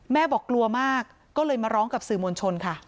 บอกกลัวมากก็เลยมาร้องกับสื่อมวลชนค่ะ